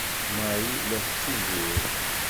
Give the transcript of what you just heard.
Marie la tettuzur.